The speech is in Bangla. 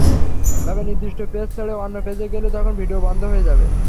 তবে নির্দিষ্ট পেজ ছেড়ে অন্য পেজে গেলে তখন ভিডিও বন্ধ হয়ে যাবে।